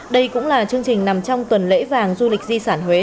đây cũng là chương trình nằm trong tuần lễ vàng du lịch di sản huế